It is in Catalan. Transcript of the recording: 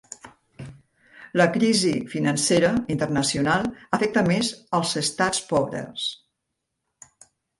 La crisi financera internacional afecta més els estats pobres.